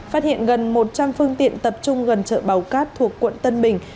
phát hiện gần một trăm linh phương tiện tập trung gần chợ bào cát thuộc quận tân bình